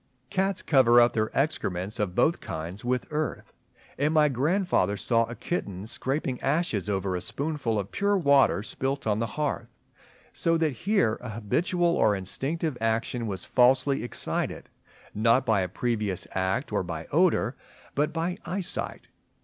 Cats cover up their excrements of both kinds with earth; and my grandfather saw a kitten scraping ashes over a spoonful of pure water spilt on the hearth; so that here an habitual or instinctive action was falsely excited, not by a previous act or by odour, but by eyesight.